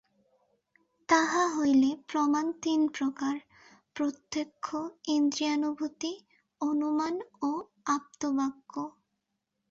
তাহা হইলে প্রমাণ তিন প্রকার প্রত্যক্ষ ইন্দ্রিয়ানুভূতি, অনুমান ও আপ্তবাক্য।